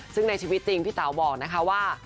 ซึ่งในชีวิตจริงพี่เต๋าบอกนะคะว่า